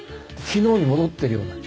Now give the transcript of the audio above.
昨日に戻っているような。